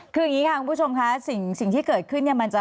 คืออย่างนี้ค่ะคุณผู้ชมค่ะสิ่งที่เกิดขึ้นเนี่ยมันจะ